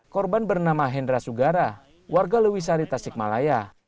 korban bernama hendra sugara warga lewisari tasikmalaya